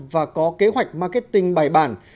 và có kế hoạch marketing bài bản